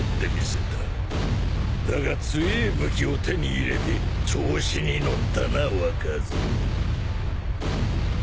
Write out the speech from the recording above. だが強え武器を手に入れて調子に乗ったな若造。